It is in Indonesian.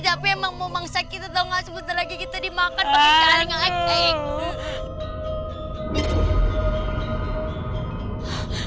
tapi emang mau mangsa kita dong gak sebentar lagi kita dimakan pakai jaringan eksek